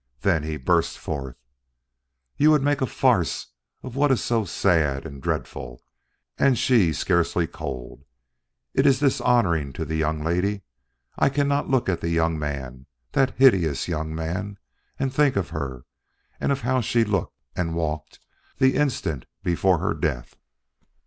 Then he burst forth: "You would make a farce of what is so sad and dreadful, and she scarcely cold! It is dishonoring to the young lady. I cannot look at that young man that hideous young man and think of her and of how she looked and walked the instant before her death."